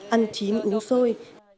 ăn chín uống sôi